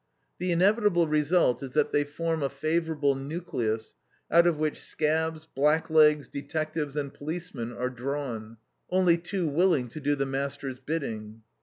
The inevitable result is that they form a favorable nucleus out of which scabs, blacklegs, detectives, and policemen are drawn, only too willing to do the master's bidding.